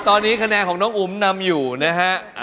ตอนนี้คะแนนของน้องอุ๋มนำอยู่นะฮะ